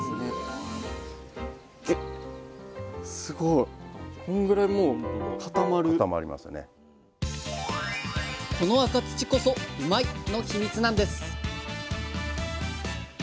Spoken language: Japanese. すごいこんぐらいもうこの赤土こそうまいッ！のヒミツなんです